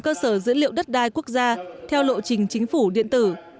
cơ sở dữ liệu đất đai quốc gia theo lộ trình chính phủ điện tử